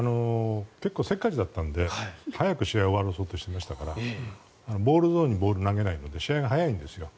せっかちだったんで早く試合を終わらせようとしましたからボールゾーンにボールを投げないので試合が早いんですよ。